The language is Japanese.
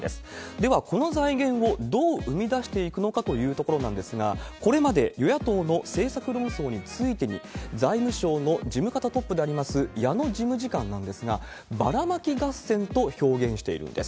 では、この財源をどう生み出していくのかというところなんですが、これまで与野党の政策論争についてに、財務省の事務方トップであります、矢野事務次官なんですが、ばらまき合戦と表現しているんです。